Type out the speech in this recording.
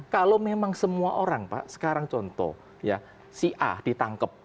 kalau memang semua orang pak sekarang contoh ya si a ditangkap